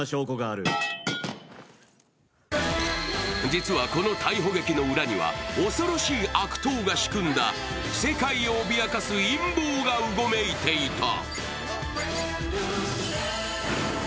実は、この逮捕劇の裏には恐ろしい悪党が仕組んだ世界を脅かす陰謀がうごめいていた。